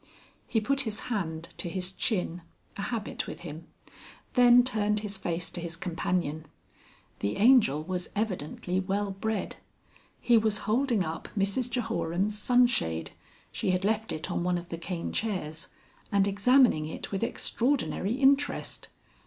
He put his hand to his chin a habit with him. Then turned his face to his companion. The Angel was evidently well bred. He was holding up Mrs Jehoram's sunshade she had left it on one of the cane chairs and examining it with extraordinary interest.